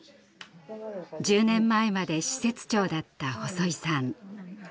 １０年前まで施設長だった細井さん。